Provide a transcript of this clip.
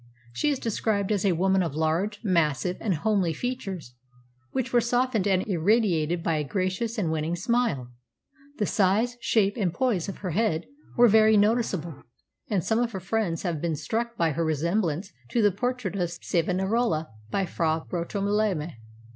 She is described as a woman of large, massive, and homely features, which were softened and irradiated by a gracious and winning smile. The size, shape, and poise of her head were very noticeable, and some of her friends have been struck by her resemblance to the portrait of Savonarola by Fra Bartolommea.